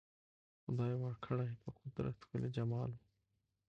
خدای ورکړی په قدرت ښکلی جمال وو